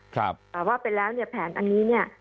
แต่ว่าเป็นแล้วเนี่ยแผนอันนี้เนี่ย